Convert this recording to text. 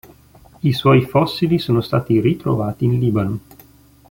I suoi fossili sono stati ritrovati in Libano.